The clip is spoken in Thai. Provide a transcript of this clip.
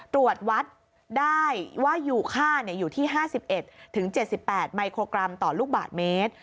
ตรวจวัดได้ว่าอยู่ค่าอยู่ที่๕๑๗๘มิโครกรัมต่อลูกบาทเมตร